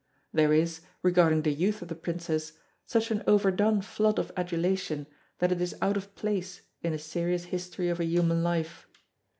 There is, regarding the youth of the Princess, such an overdone flood of adulation that it is out of place in a serious history of a human life.